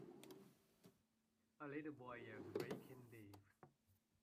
A little boy is raking leaves.